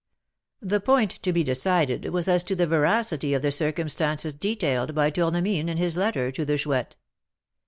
"The point to be decided was as to the veracity of the circumstances detailed by Tournemine in his letter to the Chouette.